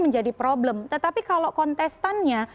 menjadi problem tetapi kalau kontestannya